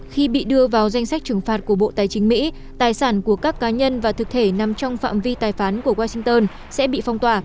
khi bị đưa vào danh sách trừng phạt của bộ tài chính mỹ tài sản của các cá nhân và thực thể nằm trong phạm vi tài phán của washington sẽ bị phong tỏa